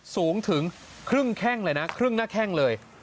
สูงถึงครึ่งแข้งเลยนะครึ่งหน้าแข้งเลย